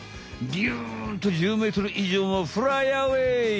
ビュンと１０ｍ以上もフライアウェー！